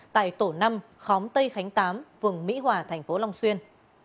tại tổ năm khóm tây khánh tám vườn mỹ hòa tp long xuyên